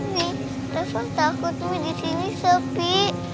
nih rafa takut mu disini sepi